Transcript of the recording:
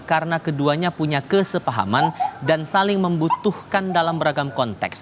karena keduanya punya kesepahaman dan saling membutuhkan dalam beragam konteks